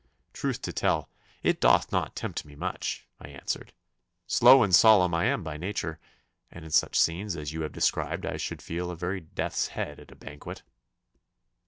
'Truth to tell, it doth not tempt me much,' I answered. 'Slow and solemn I am by nature, and in such scenes as you have described I should feel a very death's head at a banquet.